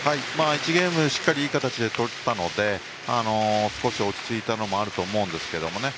１ゲームしっかりいい形で取ったので少し落ち着いたのもあると思うんですけどね。